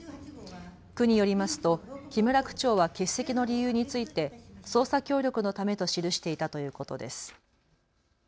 区によりますと木村区長は欠席の理由について捜査協力のためと記していたということです。